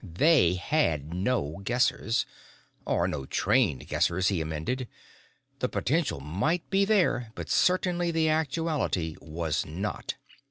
They had no Guessers. (Or no trained Guessers, he amended. The potential might be there, but certainly the actuality was not.)